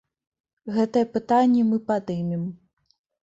Гэтае пытанне мы падымем.